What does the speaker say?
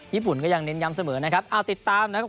ญี่ปุ่นก็ยังเน้นย้ำเสมอนะครับเอาติดตามนะครับ